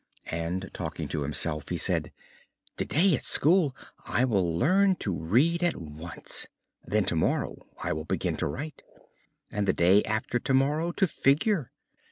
And, talking to himself, he said: "Today at school I will learn to read at once; then tomorrow I will begin to write, and the day after tomorrow to figure.